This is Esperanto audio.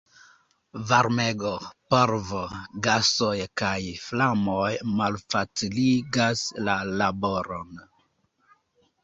Varmego, polvo, gasoj kaj flamoj malfaciligas la laboron.